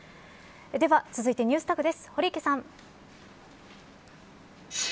では続いてＮｅｗｓＴａｇです、堀池さん。